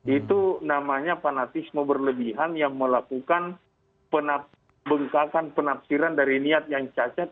itu namanya fanatisme berlebihan yang melakukan bengkakan penafsiran dari niat yang cacat